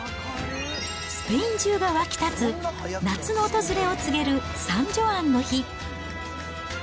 スペイン中が沸きたつ夏の訪れを告げるサンジョアンの日。